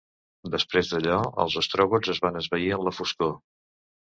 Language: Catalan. Després d'allò, els ostrogots es van esvair en la foscor.